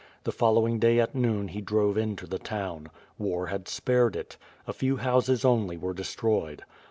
The following day at noon he drove into the town. War had spared it. A few houses only were destroyed.